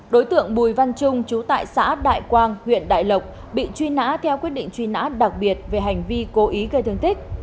đối tượng bùi văn trung chú tại xã đại quang huyện đại lộc bị truy nã theo quyết định truy nã đặc biệt về hành vi cố ý gây thương tích